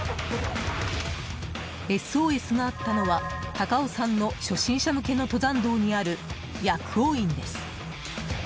ＳＯＳがあったのは高尾山の初心者向けの登山道にある薬王院です。